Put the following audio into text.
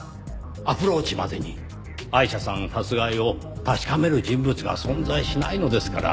アプローチまでにアイシャさん殺害を確かめる人物が存在しないのですから。